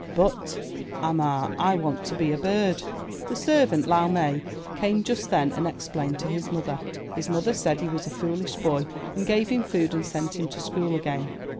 ''But, Ah Ma, I want to be a bird." The servant, Lau Mai, came just then and ex plained to his mother. His mother said he was a foolish boy, and gave him food and sent him to school again.